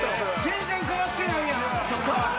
全然変わってないやん！